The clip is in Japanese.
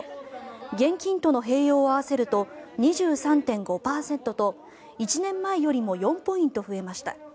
現金との併用を合わせると２３．５％と１年前よりも４ポイント増えました。